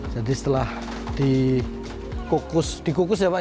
jadi setelah dikukus ya pak ya